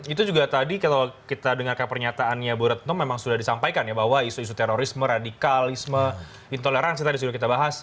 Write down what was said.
itu juga tadi kalau kita dengarkan pernyataannya bu retno memang sudah disampaikan ya bahwa isu isu terorisme radikalisme intoleransi tadi sudah kita bahas